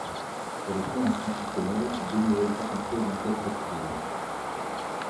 Sur le plan institutionnel, deux nouvelles facultés vont être créées.